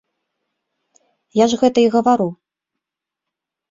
Я ж гэта і гавару.